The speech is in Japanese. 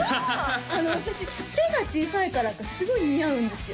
あの私背が小さいからかすごい似合うんですよ